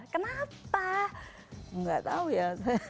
kenapa gak tau ya